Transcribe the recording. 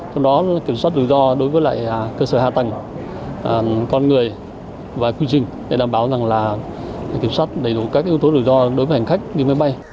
trong đó kiểm soát lựa do đối với cơ sở hạ tầng con người và quy trình để đảm bảo kiểm soát đầy đủ các yếu tố lựa do đối với hành khách đi mê bay